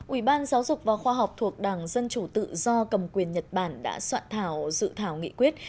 ủy ban giáo dục và khoa học thuộc đảng dân chủ tự do cầm quyền nhật bản đã soạn thảo dự thảo nghị quyết